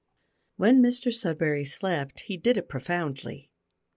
When Mr Sudberry slept he did it profoundly.